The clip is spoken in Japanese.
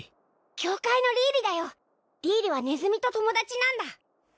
教会のリーリだよリーリはねずみと友達なんだ